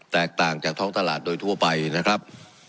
แตกต่างจากท้องตลาดโดยทั่วไปนะครับ